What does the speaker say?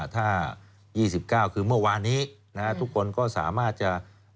ถ้า๒๙คือเมื่อวานนี้ทุกคนก็สามารถจะ